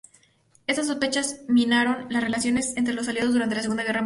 Estas sospechas minaron las relaciones entre los aliados durante la Segunda Guerra Mundial.